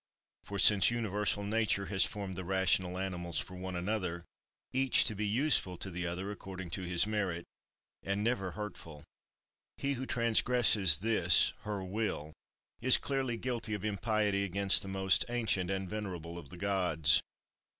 For since universal Nature has formed the rational animals for one another; each to be useful to the other according to his merit, and never hurtful; he who transgresses this her will is clearly guilty of impiety against the most ancient and venerable of the Gods.